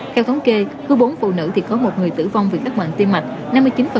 theo thống kê khứ bốn phụ nữ thì có một người tử vong vì các bệnh tim mạch